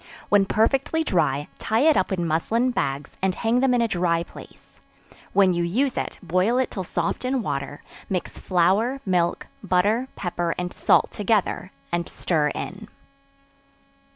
When perfectly dry, tie it up in muslin bags, and hang them in a dry place; when you use it, boil it till soft in water; mix flour, milk, butter, pepper and salt together, and stir in.